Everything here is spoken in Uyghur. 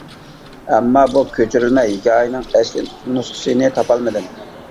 ئەمما بۇ كۆچۈرۈلمە ھېكايىنىڭ ئەسلى نۇسخىسىنى تاپالمىدىم.